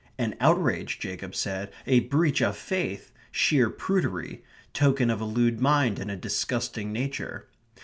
An outrage, Jacob said; a breach of faith; sheer prudery; token of a lewd mind and a disgusting nature.